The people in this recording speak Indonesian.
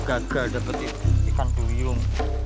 gagal dapetin ikan duyung